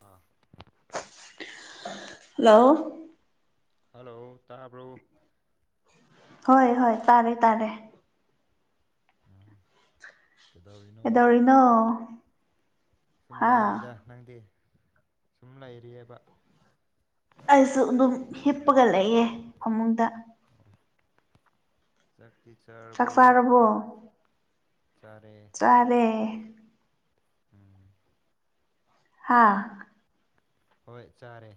ꯑ hello hello ꯇꯥ pro ꯍꯣꯏ ꯍꯣꯏ ꯇꯥꯔꯦ ꯇꯥꯔꯦ ꯎꯝ ꯀꯩꯗꯧꯔꯤꯅꯣ ꯑꯦꯗꯣꯔꯤꯅꯣ ꯁꯨꯝ ꯂꯩꯔꯤꯗ ꯅꯪꯗꯤ ꯁꯨꯝ ꯂꯩꯔꯤꯑꯕ ꯑꯩꯁꯨ ꯑꯗꯨꯝ ꯍꯤꯞꯄꯒ ꯂꯩꯌꯦ ꯐꯃꯨꯡꯗ ꯆꯥꯛꯇꯤ ꯆꯥꯔꯔꯕꯧ ꯍ [unintelligible] ꯆꯔꯦ ꯆꯔꯦ ꯎꯝ ꯍꯥꯥ ꯍꯣꯏ ꯆꯥꯔꯦ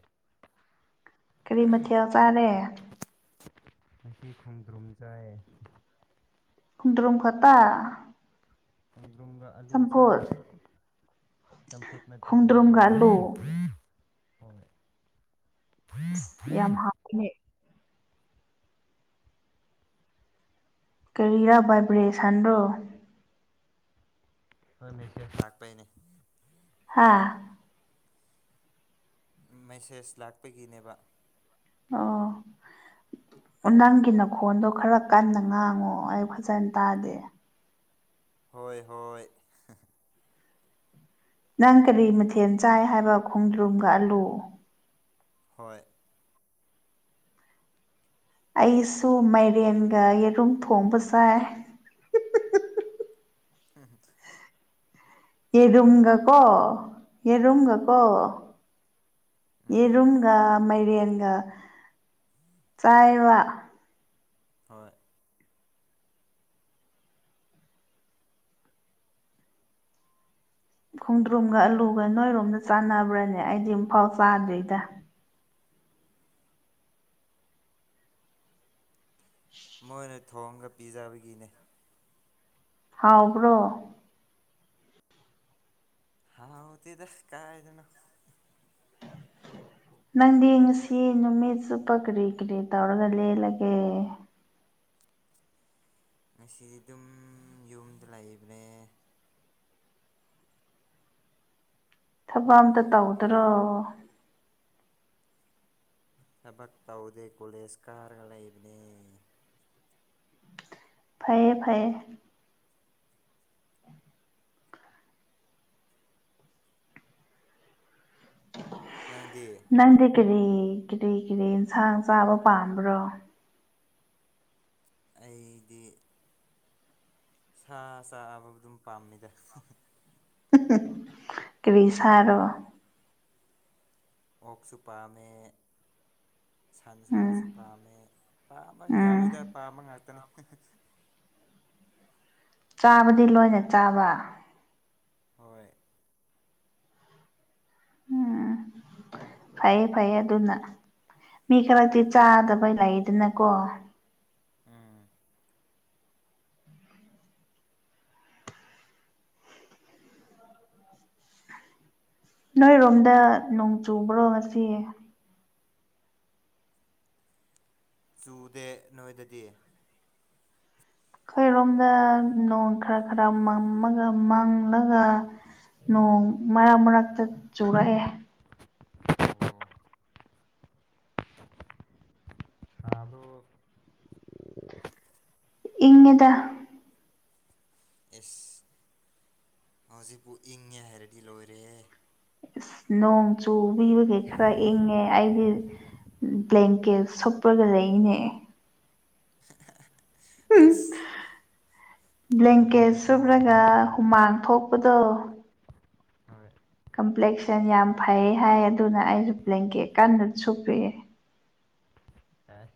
ꯀꯔꯤ ꯃꯊꯦꯜ ꯆꯥꯔꯦ ꯉ ꯈꯣꯡꯗ꯭ꯔꯨꯝ ꯆꯥꯏ ꯈꯨꯟ꯭ꯔꯨꯝ ꯈꯠꯇ ꯆꯗꯒ ꯑꯥꯂꯨ ꯆꯥꯏꯦ ꯆꯝꯐꯨꯠ ꯅꯠꯇꯦꯛ ꯈꯣꯡꯗ꯭ꯔꯨꯝꯒ ꯈꯣꯡꯗꯨꯝꯕ ꯑꯂꯨ ꯍ ꯌꯥꯝ ꯍꯅꯦ ꯀꯦꯔꯤꯔꯥ ꯕꯥꯏꯕ꯭ꯔꯦꯁꯟꯗꯣ ꯍꯣꯏ ꯅꯤꯡ ꯂꯥꯛꯄꯥꯏꯅꯦ ꯍꯥꯥ ꯃꯦꯁꯦꯁ ꯂꯥꯛꯄꯒꯤꯅꯦꯕ ꯑꯥ ꯅꯪꯒꯤ ꯅꯈꯣꯟꯗꯣ ꯈꯔ ꯀꯟꯅ ꯉꯥꯡꯉꯣ ꯑꯩ ꯐꯖꯅ ꯇꯥꯗꯦ ꯍꯣꯏ ꯍꯣꯏ ꯅꯪ ꯀꯔꯤ ꯃꯊꯦꯜ ꯆꯥꯏ ꯍꯥꯏꯕ ꯈꯣꯡꯗꯨꯝꯒꯍꯜꯂꯨ ꯍꯣꯏ ꯑꯩꯁꯨ ꯃꯥꯏꯔꯦꯟꯒ ꯌꯦꯔꯨꯝ ꯊꯣꯡꯕ ꯆꯥꯏ ꯍꯝ ꯍ ꯌꯦꯔꯨꯝꯒ ꯀꯣ ꯌꯦꯔꯨꯝꯒ ꯀꯣ ꯎꯝ ꯌꯦꯔꯨꯝꯒ ꯃꯥꯏꯔꯦꯟꯒ ꯆꯥꯏꯕ ꯍꯣꯏ ꯈꯣꯡꯗ꯭ꯔꯨꯝꯒ ꯑꯂꯨꯒ ꯅꯣꯏꯔꯣꯝꯗ ꯆꯥꯟꯅꯕ꯭ꯔꯅꯦ ꯑꯩꯗꯤ ꯑꯃꯨꯛꯐꯥꯎ ꯆꯥꯗ꯭ꯣꯏꯔꯤꯗ ꯃꯣꯏꯅ ꯊꯣꯡꯒ ꯄꯤꯖꯕꯒꯤꯅꯦ ꯍꯥꯎꯕ꯭ꯔꯣ ꯍꯥꯎ ꯍꯧ ꯇꯗ ꯀꯥꯏꯗꯅꯣ [inaudible] ꯅꯪꯗꯤ ꯉꯁꯤ ꯅꯨꯃꯤꯠ ꯆꯨꯞꯄ ꯀꯔꯤ ꯀꯔꯤ ꯇꯧꯔꯒ ꯂꯦꯜꯂꯒꯦ ꯉꯁꯤ ꯑꯗꯨꯝ ꯌꯨꯝꯗ ꯂꯩꯕꯅꯦ ꯊꯕꯛ ꯑꯝꯇ ꯇꯧꯗ꯭ꯔꯣ ꯊꯕꯛ ꯇꯧꯗꯦ ꯀꯣꯂꯦꯖ ꯀꯥꯔꯒ ꯂꯩꯕꯅꯦ ꯐꯩꯌꯦ ꯐꯩꯌꯦ ꯅꯪꯗꯤ ꯅꯪꯗꯤ ꯀꯔꯤ ꯀꯔꯤ ꯀꯔꯤ ꯑꯦꯟꯁꯥꯡ ꯆꯥꯕ ꯄꯥꯝꯕ꯭ꯔꯣ ꯑꯩꯗꯤ ꯁꯥ ꯆꯥꯕ ꯑꯗꯨꯝ ꯄꯥꯝꯃꯤꯗ ꯀꯔꯤ ꯁꯥꯔꯣ ꯑꯣꯛꯁꯨ ꯄꯥꯝꯃꯦ ꯁꯟ ꯎꯝ ꯁꯥꯔꯁꯨ ꯄꯥꯝꯃꯦ ꯄꯥꯝꯕ ꯎꯝ ꯌꯥꯝꯉꯦꯗ ꯄꯥꯝꯕ ꯉꯥꯛꯇꯅꯤ ꯆꯥꯕꯗꯤ ꯂꯣꯏꯅ ꯆꯥꯕ ꯍꯣꯏ ꯎꯝ ꯐꯩꯌꯦ ꯐꯩꯌꯦ ꯑꯗꯨꯅ ꯃꯤ ꯈꯔꯛꯇꯤ ꯆꯥꯗꯕ ꯂꯩꯗꯅꯀꯣ ꯎꯝ ꯅꯣꯏꯔꯣꯝꯗ ꯅꯣꯡ ꯆꯨꯕ꯭ꯔꯣ ꯉꯁꯤ ꯆꯨꯗꯦ ꯅꯣꯏꯗꯗꯤ ꯑꯩꯈꯣꯏꯔꯣꯝꯗ ꯅꯣꯡ ꯈꯔ ꯈꯔ ꯃꯝꯃꯒ ꯃꯥꯡ ꯉꯒ ꯅꯣꯡ ꯃꯔꯛ ꯃꯔꯛꯇ ꯆꯨꯔꯛꯑꯦ ꯑꯣ ꯁꯥꯗꯣ ꯏꯪꯉꯤꯗ ꯏꯁ ꯍꯧꯖꯤꯛꯄꯨ ꯏꯪꯉꯦ ꯍꯥꯏꯔꯗꯤ ꯂꯣꯏꯔꯦꯍꯦ ꯅꯣꯡ ꯆꯨꯕꯤꯕꯒꯤ ꯈꯔ ꯏꯪꯉꯦ ꯑꯩꯒꯤ ꯕ꯭ꯂꯦꯡꯀꯦꯠ ꯁꯨꯞꯄꯒ ꯂꯩꯅꯦ ꯑꯁ ꯕ꯭ꯂꯦꯡꯀꯦꯠ ꯇꯟꯈ꯭ꯔꯦꯗꯀꯣ ꯁꯨꯞꯔꯒ ꯍꯨꯃꯥꯡ ꯊꯣꯛꯄꯗꯣ ꯍꯣꯏ ꯀꯝꯄ꯭ꯂꯦꯛꯁꯟ ꯌꯥꯝ ꯐꯑꯦ ꯍꯥꯏꯑꯦ ꯑꯗꯨꯅ ꯑꯩꯁꯨ ꯕ꯭ꯂꯦꯡꯀꯦꯛ ꯀꯥꯟꯗ ꯁꯨꯄꯤꯑꯦ ꯑ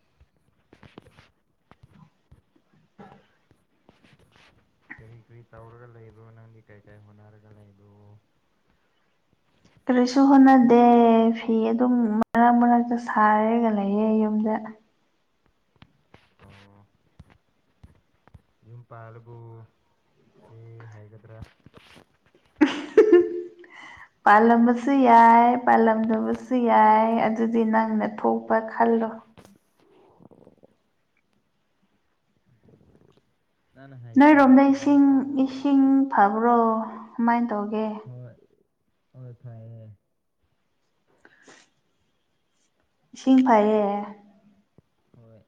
ꯀꯔꯤ ꯀꯔꯤ ꯇꯧꯔꯒ ꯂꯩꯕ꯭ꯔꯣ ꯅꯪꯗꯤ ꯀꯩ ꯀꯥꯏ ꯍꯣꯠꯅꯔꯒ ꯂꯩꯕ꯭ꯔꯣ ꯀꯔꯤꯁꯨ ꯍꯣꯠꯅꯗꯦ ꯐꯤ ꯑꯗꯨꯝ ꯃꯔꯛ ꯃꯔꯛꯇ ꯁꯥꯔꯒ ꯂꯩꯌꯦ ꯌꯨꯝꯗ ꯑꯣ ꯌꯨꯝ ꯄꯥꯥꯜꯂꯕꯣ ꯆꯦ ꯍꯥꯏꯒꯗ꯭ꯔꯥ [unintelligible] ꯄꯥꯜꯂꯝꯕꯁꯨ ꯌꯥꯏ ꯄꯥꯜꯂꯝꯗꯕꯁꯨ ꯌꯥꯏ ꯑꯗꯨꯗꯤ ꯅꯪꯅ ꯊꯣꯛꯄ ꯈꯜꯂꯣ ꯅꯪꯅ ꯍꯥꯏꯇ꯭ꯔꯗꯤ ꯅꯣꯏꯔꯣꯝꯗ ꯀꯃꯥꯏꯅ ꯏꯁꯤꯡ ꯈꯪꯗꯣꯏꯅꯣ ꯏꯁꯤꯡ ꯐꯕ꯭ꯔꯣ ꯀꯃꯥꯏꯅ ꯇꯧꯒꯦ ꯍ ꯍꯣꯏ ꯐꯩꯌꯦ ꯏꯁꯤꯡ ꯐꯩꯌꯦ ꯍꯣꯏ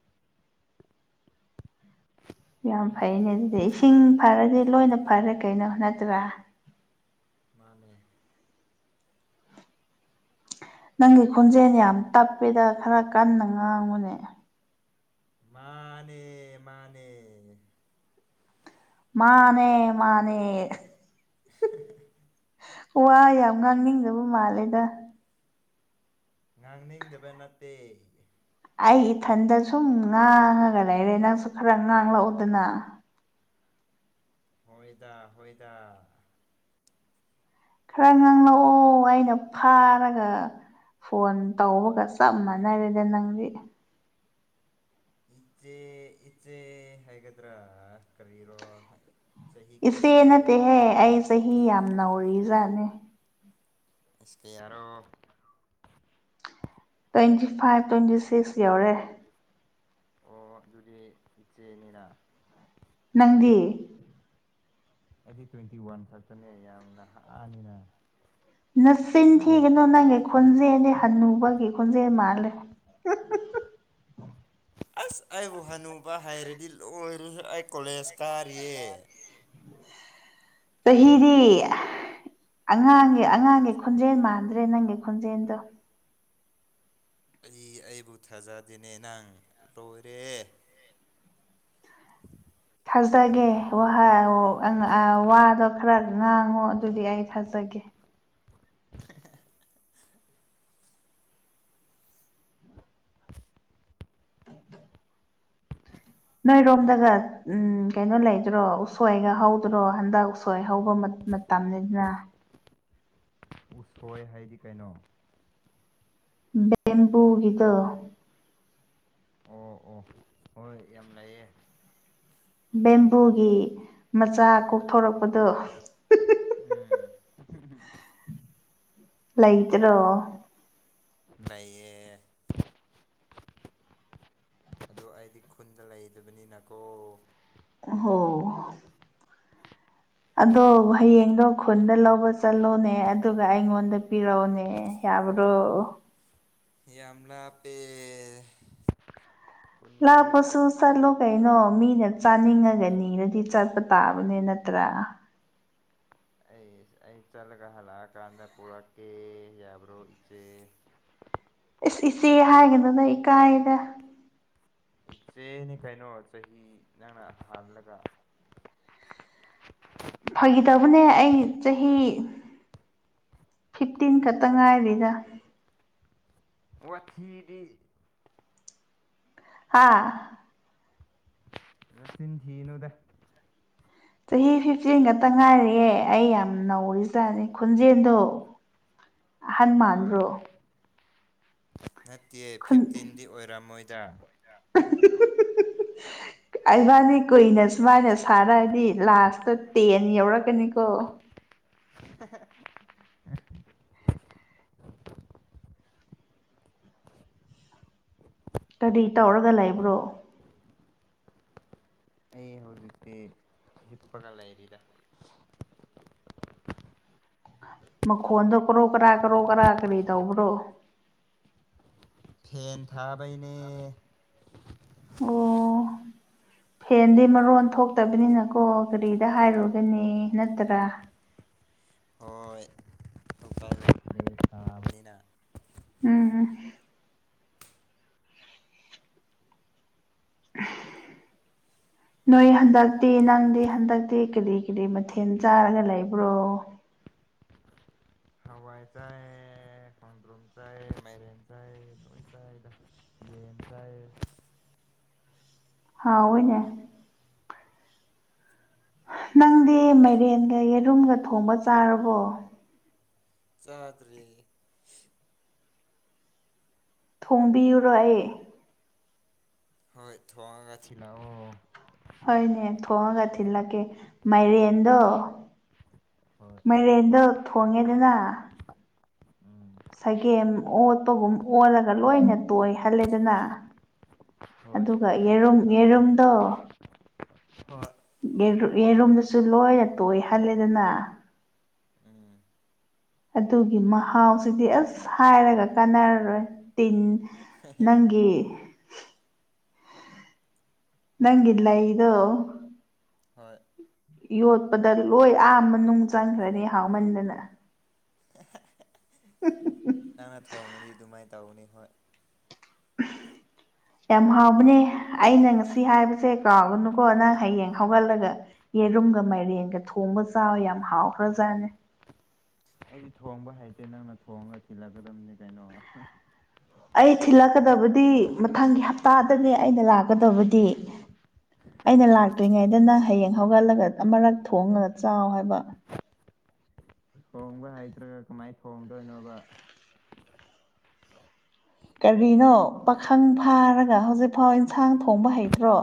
ꯌꯥꯝ ꯐꯩꯅꯦ ꯑꯗꯨꯗꯤ ꯏꯁꯤꯡ ꯐꯔꯗꯤ ꯂꯣꯏꯅ ꯐꯔꯦ ꯀꯩꯅꯣ ꯅꯠꯇ꯭ꯔꯥ ꯃꯥꯅꯦ ꯅꯪꯒꯤ ꯈꯣꯟꯖꯦꯜ ꯌꯥꯝ ꯇꯞꯄꯤꯗ ꯈꯔ ꯀꯟꯅ ꯉꯥꯡꯉꯨꯅꯦ ꯃꯥꯅꯦ ꯃꯥꯅꯦ ꯃꯥꯅꯦ ꯃꯥꯅꯦ ꯋꯥ ꯌꯥꯝ ꯉꯥꯡꯅꯤꯡꯗꯕ ꯃꯥꯜꯂꯦꯗ ꯉꯥꯡꯅꯤꯡꯗꯕ ꯅꯠꯇꯦ ꯑꯩ ꯏꯊꯟꯗ ꯁꯨꯝ ꯉꯥꯡꯉꯒ ꯂꯩꯔꯦ ꯅꯪꯁꯨ ꯈꯔ ꯉꯥꯡꯂꯛꯑꯣꯗꯅ ꯍꯣꯏꯗ ꯍꯣꯏꯗ ꯈꯔ ꯉꯥꯡ ꯂꯛꯑꯣ ꯑꯩꯅ ꯐꯥꯔꯒ ꯐꯣꯟ ꯇꯧꯕꯒ ꯆꯞ ꯃꯥꯟꯅꯔꯦꯗ ꯅꯪꯗꯤ ꯏꯆꯦ ꯏꯆꯦ ꯍꯥꯏꯒꯗ꯭ꯔꯥ ꯀꯔꯤꯔꯣ ꯆꯍꯤ ꯀꯌꯥ ꯁꯨꯔꯦ ꯏꯆꯩ ꯗꯤ ꯍꯤ ꯌꯥꯝ ꯅꯧꯔꯤꯖꯥꯠꯅꯦ ꯏꯁ ꯀꯌꯥꯔꯣ ꯇ꯭ꯋꯦꯟꯇꯤ ꯐꯥꯏꯚ ꯇ꯭ꯋꯦꯟꯇꯤ ꯁꯤꯛꯁ ꯌꯧꯔꯦ ꯑꯣ ꯑꯗꯨꯗꯤ ꯏꯆꯦꯅꯤꯅ ꯅꯪꯗꯤ ꯑꯩꯗꯤ ꯇ꯭ꯋꯦꯟꯇꯤ ꯋꯥꯟ ꯈꯛꯇꯅꯦ ꯌꯥꯝꯅ ꯅꯍꯅꯤꯅ ꯅꯆꯤꯟ ꯊꯤꯒꯅꯨ ꯅꯪꯒꯤ ꯈꯣꯟꯖꯦꯜꯗꯤ ꯍꯟꯅꯨꯕꯒꯤ ꯈꯣꯟꯖꯦꯜ ꯃꯥꯜꯂꯦ [unintelligible] ꯑꯁ ꯑꯩꯕꯨ ꯍꯅꯨꯕ ꯍꯥꯏꯔꯗꯤ ꯂꯣꯏꯔꯍꯦ ꯑꯩ ꯀꯣꯂꯦꯖ ꯀꯥꯔꯤꯌꯦ ꯆꯍꯤꯗꯤ ꯑ ꯑꯉꯥꯡꯒꯤ ꯑꯉꯥꯡꯒꯤ ꯈꯣꯟꯖꯦꯟ ꯃꯥꯟꯗ꯭ꯔꯦ ꯅꯪꯒꯤ ꯈꯣꯟꯖꯦꯟꯗꯣ ꯔꯤꯒꯤ ꯑꯩꯕꯨ ꯊꯥꯖꯗꯦꯅꯦ ꯅꯪ ꯂꯣꯏꯔꯦꯍꯦ [inaudible] ꯊꯖꯗꯥꯒꯦ ꯋꯥꯍ [unintelligible] ꯑꯪꯑ ꯋꯥꯗꯣ ꯈꯔ ꯉꯥꯡꯉꯣ ꯑꯗꯨꯗꯤ ꯑꯩ ꯊꯥꯖꯒꯦ ꯅꯣꯏꯔꯣꯝꯗꯒ ꯎꯝ ꯀꯩꯅꯣ ꯂꯩꯇ꯭ꯔꯣ ꯎꯁꯣꯏꯒ ꯍꯧꯗ꯭ꯔꯣ ꯍꯟꯗꯛ ꯎꯁꯣꯏ ꯍꯧꯕ ꯃꯇꯝꯅꯤꯗꯅ ꯎꯁꯣꯏ ꯍꯥꯏꯗꯤ ꯀꯩꯅꯣ ꯕꯦꯝꯕꯨꯨꯒꯤꯗꯣ ꯑꯣ ꯑꯣ ꯍꯣꯏ ꯌꯥꯝ ꯂꯩꯑꯦ ꯕꯦꯝꯕꯨꯒꯤ ꯃꯆꯥ ꯀꯣꯛꯊꯣꯔꯛꯄꯗꯣ ꯎꯝ ꯍꯨꯝꯍꯨꯝ ꯂꯩꯇ꯭ꯔꯣ ꯂꯩꯌꯦ ꯑꯗꯨ ꯑꯩꯗꯤ ꯈꯨꯟꯗ ꯂꯩꯗꯕꯅꯤꯅꯀꯣ ꯑꯣꯍꯣ ꯑꯗꯣ ꯍꯌꯦꯡꯗꯣ ꯈꯨꯟꯗ ꯂꯧꯕ ꯆꯠꯂꯣꯅꯦ ꯑꯗꯨꯒ ꯑꯩꯉꯣꯟꯗ ꯄꯤꯔꯛꯑꯣꯅꯦ ꯌꯥꯕꯔꯣ ꯌꯥꯝ ꯂꯞꯄꯦ ꯂꯞꯄꯁꯨꯁ ꯆꯠꯂꯣ ꯀꯩꯅꯣ ꯃꯤꯅ ꯆꯥꯅꯤꯡꯉꯒ ꯅꯤꯔꯗꯤ ꯆꯠꯄ ꯇꯥꯕꯅꯦ ꯅꯠꯇ꯭ꯔꯥ ꯑꯩ ꯑꯩ ꯆꯠꯂꯒ ꯍꯜꯂꯛꯑꯀꯥꯟꯗ ꯄꯨꯔꯛꯀꯦ ꯌꯥꯕ꯭ꯔꯣ ꯏꯆꯦ ꯏꯁ ꯏꯆꯦ ꯍꯥꯏꯒꯅꯨꯗ ꯏꯀꯥꯏꯗ ꯆꯦꯅꯤ ꯀꯩꯅꯣ ꯆꯍꯤ ꯅꯪꯅ ꯍꯥꯜꯂꯒ ꯐꯒꯤ ꯇꯧꯗꯕꯅꯦ ꯑꯩ ꯆꯍꯤ ꯐꯤꯞꯇꯤꯟ ꯈꯛꯇ ꯉꯥꯏꯔꯤꯗ ꯋꯥꯊꯤꯗꯤ ꯍꯥꯥ ꯅꯆꯤꯟ ꯊꯤꯒꯅꯨꯗ ꯆꯍꯤ ꯐꯤꯐꯇꯤꯟ ꯈꯛꯇ ꯉꯥꯏꯔꯤꯌꯦ ꯑꯩ ꯌꯥꯝ ꯅꯧꯔꯤꯖꯥꯠꯅꯤ ꯈꯣꯟꯖꯦꯟꯗꯣ ꯑꯍꯟ ꯍꯣꯏ ꯃꯥꯟꯕ꯭ꯔꯣ ꯅꯠꯇꯤꯌꯦ ꯐꯤꯐꯇꯤꯟꯗꯤ ꯑꯣꯏꯔꯝꯃꯣꯏꯗ [inaudible] ꯑꯩꯕꯥꯢꯅꯤ ꯀꯨꯏꯅ ꯁꯨꯃꯥꯏꯅ ꯁꯥꯔꯛꯑꯗꯤ ꯂꯥꯁꯇ ꯇꯦꯟ ꯌꯧꯔꯛꯀꯅꯤꯀꯣ [inaudible] ꯀꯔꯤ ꯇꯧꯔꯒ ꯂꯩꯕ꯭ꯔꯣ ꯑꯩ ꯍꯧꯖꯤꯛꯇꯤ ꯍꯤꯞꯄꯒ ꯂꯩꯥꯔꯤꯗ ꯃꯈꯣꯟꯗ ꯀ꯭ꯔꯣ ꯀꯔꯥ ꯀꯣ ꯀꯔꯥ ꯀꯔꯤ ꯇꯧꯕ꯭ꯔꯣ ꯐꯦꯟ ꯊꯥꯕꯩꯅꯦ ꯑꯣ ꯐꯦꯟꯗꯤ ꯃꯔꯣꯟ ꯊꯣꯛꯇꯕꯅꯤꯅꯀꯣ ꯀꯔꯤꯗ ꯍꯥꯏꯔꯨꯒꯅꯤ ꯅꯠꯇ꯭ꯔꯥ ꯍꯣꯏ ꯃꯥꯕꯩꯅ ꯎꯝ [inaudible] ꯅꯣꯏ ꯍꯟꯗꯛꯇꯤ ꯅꯪꯗꯤ ꯍꯟꯗꯛꯇꯤ ꯀꯔꯤ ꯀꯔꯤ ꯃꯊꯦꯜ ꯆꯥꯔꯒ ꯂꯩꯕ꯭ꯔꯣ ꯍꯋꯥꯏ ꯆ ꯈꯟꯗ꯭ꯔꯨꯝ ꯆꯥꯏ ꯃꯥꯏꯔꯦꯟ ꯆꯥꯏꯏ ꯆ ꯌꯦꯐ ꯍꯥꯎ ꯑꯣꯏꯅꯦ ꯅꯪꯗꯤ ꯈꯪꯗꯦꯗ ꯃꯥꯏꯔꯦꯟꯒ ꯌꯦꯔꯨꯝꯒ ꯊꯣꯡꯕ ꯆꯥꯔꯕꯣ ꯆꯥꯗ꯭ꯔꯤ ꯊꯣꯡꯕꯤꯔꯨꯔꯣ ꯑꯩ ꯍꯣꯏ ꯊꯣꯡꯉꯒ ꯊꯤꯟꯂꯀꯣ ꯍꯣꯏꯅꯦ ꯊꯣꯡꯉꯒ ꯊꯤꯜꯂꯛꯀꯦ ꯃꯥꯏꯔꯦꯟꯗꯣ ꯍꯣꯏ ꯃꯥꯏꯔꯦꯟꯗꯣ ꯊꯣꯡꯉꯦꯗꯅ ꯎꯝ ꯁꯒꯦꯝ ꯑꯣꯠꯄꯒꯨꯝ ꯑꯣꯜꯂꯒ ꯂꯣꯏꯅ ꯇꯣꯏꯍꯜꯂꯦꯗꯅ ꯍꯣꯏ ꯑꯗꯨꯒ ꯌꯦꯔꯨꯝ-ꯌꯦꯔꯨꯝꯗꯣ ꯍꯣꯏ ꯌꯦꯔꯨꯝ-ꯌꯦꯔꯨꯝꯁꯨ ꯂꯣꯏꯅ ꯇꯣꯏꯍꯜꯂꯦꯗꯅ ꯎꯝ ꯑꯗꯨꯒꯤ ꯃꯍꯥꯎꯁꯤꯗꯤ ꯑꯁ ꯍꯥꯏꯔꯒ ꯀꯥꯟꯅꯔꯔꯣꯏ ꯇꯤꯟ ꯅꯪꯒꯤ ꯅꯪꯒꯤ ꯂꯩꯗꯣ ꯍꯣꯏ ꯌꯣꯠꯄꯗ ꯂꯣꯏ ꯑꯥꯝꯕ ꯅꯨꯡ ꯆꯪꯈ꯭ꯔꯅꯤ ꯍꯥꯎꯃꯟꯗꯅ ꯎ ꯅꯪꯅ ꯊꯣꯡꯉꯗꯤ ꯑꯗꯨꯃꯥꯏꯅ ꯇꯧꯒꯅꯤ ꯍꯣꯏ [inaudible] ꯌꯥꯝ ꯍꯥꯎꯕꯅꯦ ꯑꯩꯅ ꯉꯁꯤ ꯍꯥꯏꯕꯁꯦ ꯀꯥꯎꯒꯅꯨꯀꯣ ꯅꯪ ꯍꯌꯦꯡ ꯍꯧꯒꯠꯂꯒ ꯌꯦꯔꯨꯝꯒ ꯃꯥꯏꯔꯦꯟꯒ ꯊꯣꯡꯕ ꯆ ꯆꯥꯎꯋꯤ ꯌꯥꯝ ꯍꯥꯎꯈ꯭ꯔꯖꯥꯠꯅꯦ ꯑꯩꯗꯤ ꯊꯣꯡꯕ ꯍꯥꯏꯁꯦ ꯅꯪꯅ ꯊꯣꯡꯉꯒ ꯊꯤꯜꯂꯛꯀꯗꯕꯅꯤ ꯀꯩꯅꯣ ꯑꯩ ꯊꯤꯜꯂꯛꯀꯗꯕꯗꯤ ꯃꯊꯪꯒꯤ ꯍꯞꯇꯥꯗꯅꯦ ꯑꯩꯅ ꯂꯥꯛꯀꯗꯕꯗꯤ ꯑꯩꯅ ꯂꯥꯛꯇ꯭ꯔꯤꯉꯩꯗꯅ ꯍꯌꯦꯡ ꯍꯧꯒꯠꯂꯒ ꯑꯃꯔꯛ ꯊꯣꯡꯉꯒ ꯆꯥꯎ ꯍꯥꯏꯕ ꯊꯣꯡꯕ ꯍꯥꯏꯗ꯭ꯔꯒ ꯀꯃꯥꯏꯅ ꯊꯣꯡꯗꯣꯏꯅꯣꯕ ꯀꯔꯤꯅꯣ ꯄꯥꯈꯪ ꯐꯥꯔꯒ ꯍꯧꯖꯤꯛꯐꯥꯎ ꯌꯦꯟꯁꯥꯡ ꯊꯣꯡꯕ ꯍꯩꯇ꯭ꯔꯣ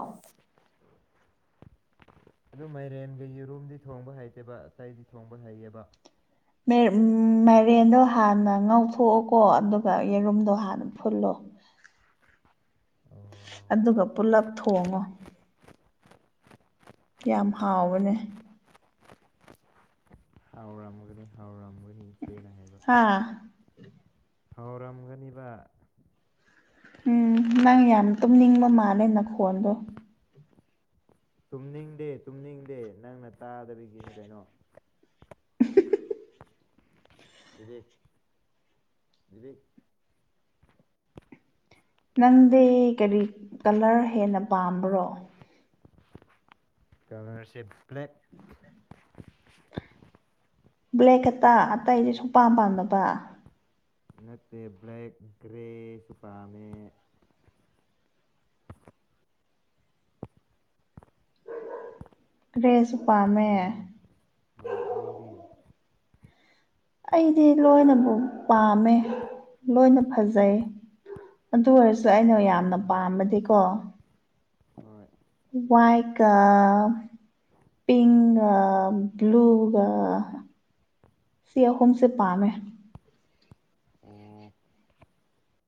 ꯑꯗꯨ ꯃꯥꯏꯔꯦꯟꯗꯤ ꯌꯦꯔꯨꯝꯗꯤ ꯊꯣꯡꯕ ꯍꯩꯇꯦꯕ ꯑꯇꯩꯗꯤ ꯊꯣꯡꯕ ꯍꯩꯑꯕ ꯃꯥꯏꯔꯦꯟꯗꯣ ꯍꯥꯟꯅ ꯉꯎꯊꯣꯛꯑꯣꯀꯣ ꯑꯗꯨꯒ ꯌꯦꯔꯨꯝꯗꯣ ꯍꯥꯟꯅ ꯐꯨꯜꯂꯣ ꯑꯣ ꯑꯗꯨꯒ ꯄꯨꯂꯞ ꯊꯣꯡꯉꯣ ꯌꯥꯝ ꯍꯥꯎꯕꯅꯦ ꯍꯥꯎꯔꯝ ꯍꯥꯎꯔꯝꯕꯅꯤ ꯁꯦꯠ [unintelligible] ꯍꯥꯥ ꯍꯥꯎꯔꯝꯒꯅꯤꯕꯥ ꯎꯝ ꯅꯪ ꯌꯥꯝ ꯇꯨꯝꯅꯤꯡꯕ ꯃꯥꯜꯂꯦ ꯅꯈꯣꯟꯗꯣ ꯇꯨꯝꯅꯤꯡꯗꯦ ꯇꯨꯝꯅꯤꯡꯗꯦ ꯅꯪꯅ ꯇꯥꯗꯕꯒꯤꯅꯤ ꯀꯩꯅꯣ ꯏꯕꯤ ꯏꯕꯤ [unintelligible] ꯅꯪꯗꯤ ꯀꯔꯤ ꯀꯂꯔ ꯍꯦꯟꯅ ꯄꯥꯝꯕ꯭ꯔꯣ ꯀꯂꯔꯁꯦ ꯕ꯭ꯂꯦꯛ ꯕ꯭ꯂꯦꯛ ꯈꯥꯇꯥ ꯑꯇꯩꯗꯤ ꯁꯨꯡꯄꯥꯝ ꯄꯥꯝꯗꯕ ꯅꯠꯇꯦ ꯕ꯭ꯂꯦꯛ ꯒꯔ꯭ꯦꯁꯨ ꯄꯥꯝꯃꯤ ꯔꯦꯁ [unintelligible] ꯅꯪ ꯍꯣꯏ ꯅꯪꯗꯤ ꯑꯩꯗꯤ ꯂꯣꯏꯅꯕꯨ ꯄꯥꯝꯃꯦ ꯂꯣꯏꯅ ꯐꯖꯩ ꯑꯗꯨ ꯑꯣꯏꯔꯁꯨ ꯑꯩꯅ ꯌꯥꯝꯅ ꯂꯣꯏ ꯄꯥꯝꯃꯗꯤꯀꯣ ꯍꯣꯏ ꯋꯥꯏꯀ ꯄꯤꯡꯛꯒ ꯕ꯭ꯂꯨꯒ ꯁꯤ ꯑꯍꯨꯝꯁꯦ ꯄꯥꯝꯃꯦ ꯑꯣ